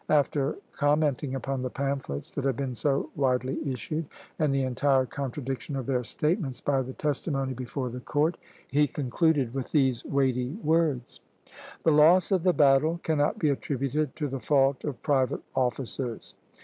After commenting upon the pamphlets that had been so widely issued, and the entire contradiction of their statements by the testimony before the Court, he concluded with these weighty words: "The loss of the battle cannot be attributed to the fault of private officers.